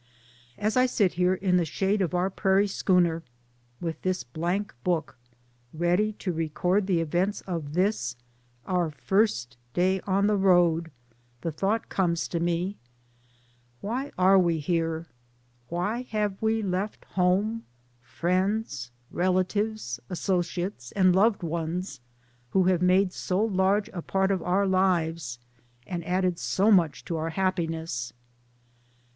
As I sit here in the shade of our prairie schooner, with this blank book ready to record the events of this our first day on the road, the thought comes to me : "Why are we here? Why have we left home, friends, relatives, associates, and loved ones, who have made so large a part of our lives and added so much to our hap piness